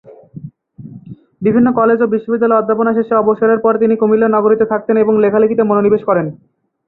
বিভিন্ন কলেজ ও বিশ্ববিদ্যালয়ে অধ্যাপনা শেষে অবসরের পর তিনি কুমিল্লা নগরীতে থাকতেন এবং লেখালেখিতে মনোনিবেশ করেন।